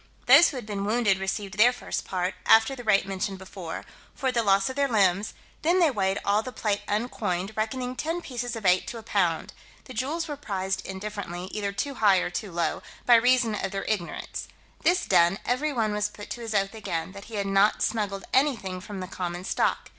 Those who had been wounded received their first part, after the rate mentioned before, for the loss of their limbs: then they weighed all the plate uncoined, reckoning ten pieces of eight to a pound; the jewels were prized indifferently, either too high or too low, by reason of their ignorance: this done, every one was put to his oath again, that he had not smuggled anything from the common stock.